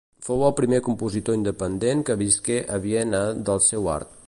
Fou el primer compositor independent que visqué a Viena del seu art.